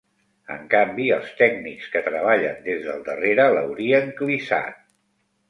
En canvi, els tècnics que treballen des del darrere l'haurien clissat.